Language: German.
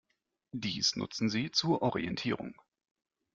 Dies nutzen sie zur Orientierung.